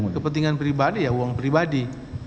kepentingan pribadi ya uang pribadi